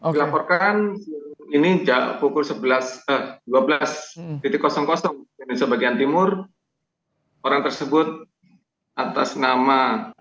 dilaporkan ini pukul dua belas indonesia bagian timur orang tersebut atas nama